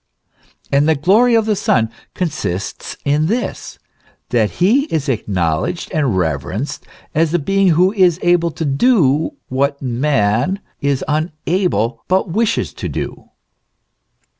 * And the glory of the Son consists in this : that he is acknowledged and reverenced as the being who is able to do what man is unable, but wishes to do.